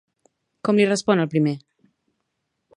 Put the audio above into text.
Com li respon el primer?